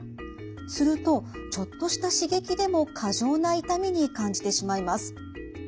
するとちょっとした刺激でも過剰な痛みに感じてしまいます。